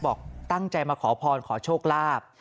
บอกตั้งใจมาขอพรขอโชคลาภ